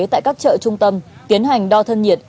tại các chợ trung tâm tiến hành đo thân nhiệt